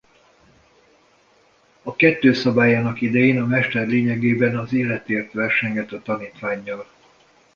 A Kettő szabályának idején a mester lényegében az életéért versengett a tanítvánnyal.